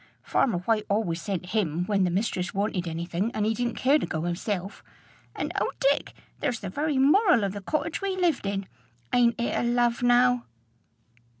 Farmer White always sent him when the mistress wanted any thing and he didn't care to go hisself. And, O Dick! there's the very moral of the cottage we lived in! Ain't it a love, now?"